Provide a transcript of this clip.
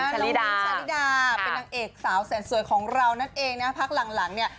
น้องมิ้นชาลิดาเป็นนางเอกสาวแสนสวยของเรานั่นเองนะพักหลังหลังเนี่ย